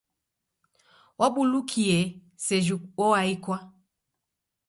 Wabulukie, seji oaikwa!